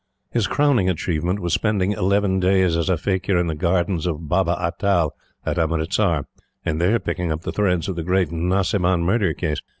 His crowning achievement was spending eleven days as a faquir in the gardens of Baba Atal at Amritsar, and there picking up the threads of the great Nasiban Murder Case.